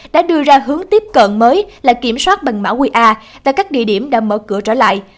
đã đưa ra hướng tiếp cận mới là kiểm soát bệnh mã qr tại các địa điểm đã mở cửa trở lại